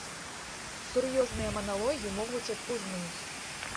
Сур'ёзныя маналогі могуць адпужнуць.